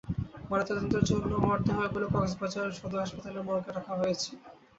ময়নাতদন্তের জন্য মরদেহগুলো কক্সবাজার সদর হাসপাতালের মর্গে রাখা হয়েছে।